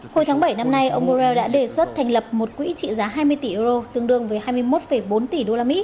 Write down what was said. hồi tháng bảy năm nay ông borrell đã đề xuất thành lập một quỹ trị giá hai mươi tỷ euro tương đương với hai mươi một bốn tỷ usd